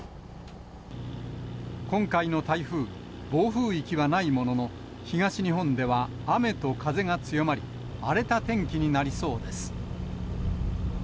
今回の台風、暴風域はないものの、東日本では雨と風が強まり、荒れた天気になりそうです。